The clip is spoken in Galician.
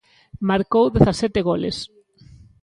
Marcou dezasete goles.